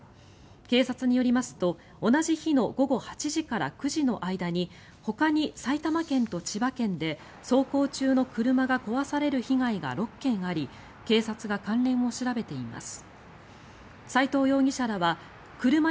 警察によりますと同じ日の午後８時から９時の間にほかに埼玉県と千葉県で走行中の車が壊される被害が６件あり警察が関連を調べています。